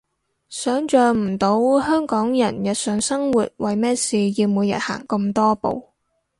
想像唔到香港人日常生活為咩事要每日行咁多步